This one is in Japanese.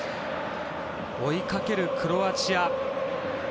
追いかけるクロアチア。